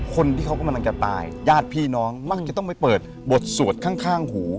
คนที่เขากำลังจะตายญาติพี่น้องมักจะต้องไปเปิดบทสวดข้างหู